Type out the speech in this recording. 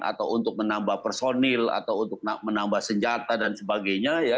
atau untuk menambah personil atau untuk menambah senjata dan sebagainya